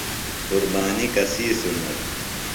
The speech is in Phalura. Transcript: قربانیۡ کسی سُنت ؟